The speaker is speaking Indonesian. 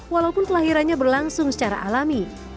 walaupun kelahirannya berlangsung secara alami